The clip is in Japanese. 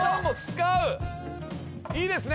いいですね？